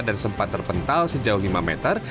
dan sempat terpental sejauh lima meter